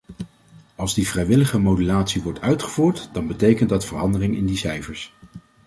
Als die vrijwillige modulatie wordt uitgevoerd, dan betekent dat verandering in die cijfers.